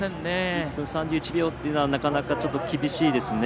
１分３１秒というのはなかなかちょっと厳しいですね。